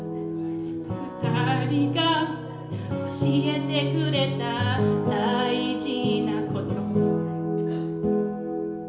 「２人が教えてくれた大事なこと」